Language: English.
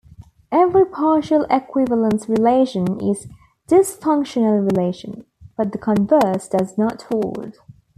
Every partial equivalence relation is a difunctional relation, but the converse does not hold.